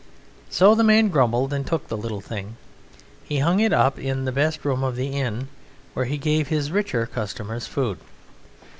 So the man grumbled and took the little thing. He hung it up in the best room of the inn, where he gave his richer customers food.